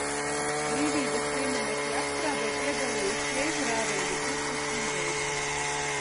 Brīvības pieminekļa apstrādē piedalījos Ķēžu rāvēju grupas izveidē.